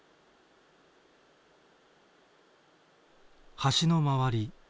橋の周り